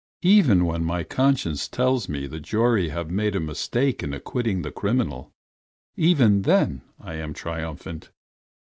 Even when my conscience tells me the jury have made a mistake in acquitting the criminal, even then I am triumphant.